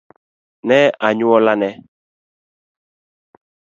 ne anyuolane